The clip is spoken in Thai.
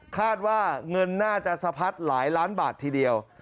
คาดว่าเงินน่าจะสะพัดหลายล้านบาททีเดียว